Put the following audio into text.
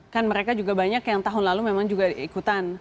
kan mereka juga banyak yang tahun lalu memang juga ikutan